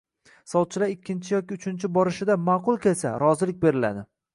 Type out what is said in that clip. Sovchilar ikkirichi yoki uchinchi borishida ma’qul kelsa, rozilik beriladi